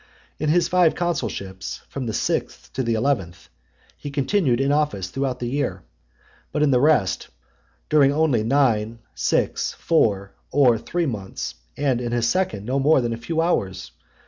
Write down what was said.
In his five consulships from the sixth to the eleventh, he continued in office throughout the year; but in the rest, during only nine, six, four, or three months, and in his second no more than a few hours.